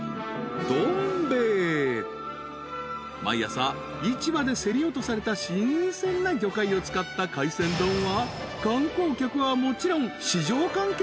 ［毎朝市場で競り落とされた新鮮な魚介を使った海鮮丼は観光客はもちろん］